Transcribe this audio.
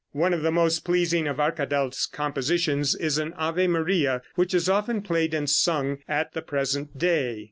One of the most pleasing of Arkadelt's compositions is an Ave Maria which is often played and sung at the present day.